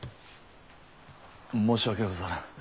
申し訳ござらん。